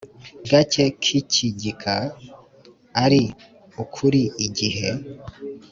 Gace k icyigika ari ukuri igihe